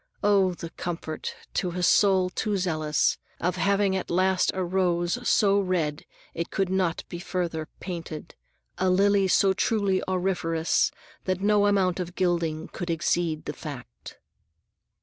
—Oh, the comfort, to a soul too zealous, of having at last a rose so red it could not be further painted, a lily so truly auriferous that no amount of gilding could exceed the fact!